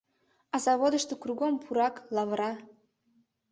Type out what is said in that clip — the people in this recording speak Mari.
А заводышто кругом пурак, лавра...